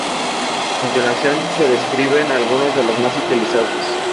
A continuación se describen algunos de los más utilizados.